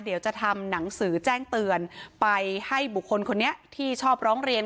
เดี๋ยวจะทำหนังสือแจ้งเตือนไปให้บุคคลคนนี้ที่ชอบร้องเรียน